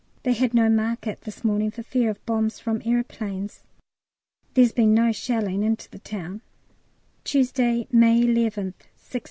They had no market this morning, for fear of bombs from aeroplanes. There's been no shelling into the town. Tuesday, May 11th, 6.